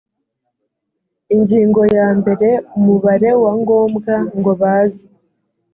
ingingo ya mbere umubare wa ngombwa ngo baze